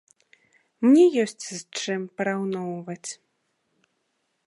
Мне ёсць з чым параўноўваць.